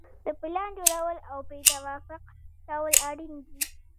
د پلان جوړول او پرې توافق کول اړین دي.